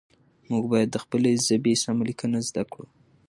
موږ باید د خپلې ژبې سمه لیکنه زده کړو